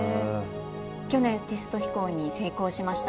去年テスト飛行に成功しました。